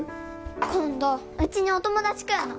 今度うちにお友達来るの